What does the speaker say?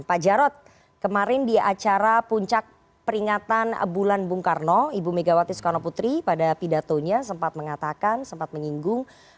pak jarod kemarin di acara puncak peringatan bulan bung karno ibu megawati soekarno putri pada pidatonya sempat mengatakan sempat menyinggung